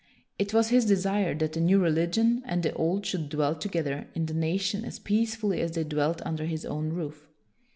It was his desire that the new religion and the old should dwell together in the nation as peacefully as they dwelt under his own roof.